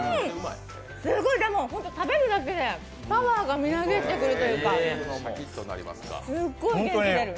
食べるだけでパワーがみなぎってくるというかすっごい元気出る。